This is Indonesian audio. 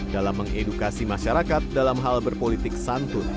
dalam mengedukasi masyarakat dalam hal berpolitik santun